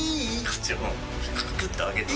ここグッと上げて。